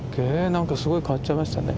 なんかすごい変わっちゃいましたね。